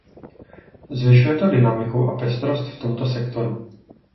Zvyšuje to dynamiku a pestrost v tomto sektoru.